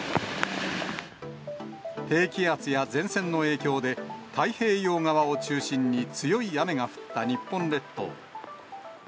低気圧や前線の影響で、太平洋側を中心に強い雨が降った日本列島。